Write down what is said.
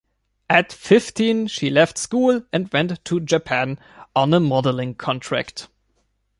At fifteen, she left school and went to Japan on a modeling contract.